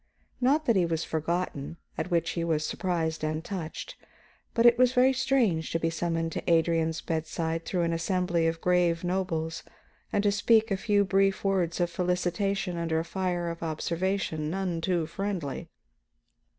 Not that he was forgotten, at which he was surprised and touched, but it was very strange to be summoned to Adrian's bedside through an assembly of grave nobles and to speak a few brief words of felicitation under a fire of observation none too friendly.